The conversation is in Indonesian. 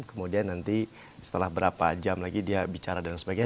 kemudian nanti setelah berapa jam lagi dia bicara dan sebagainya